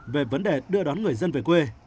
về vấn đề đưa đón người dân về quê